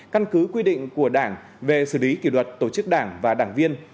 căn cứ quy định của đảng về xử lý kỷ luật tổ chức đảng và đảng viên